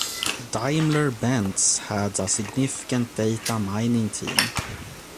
Daimler-Benz had a significant data mining team.